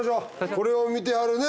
これを見てはるね